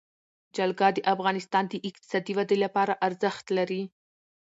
جلګه د افغانستان د اقتصادي ودې لپاره ارزښت لري.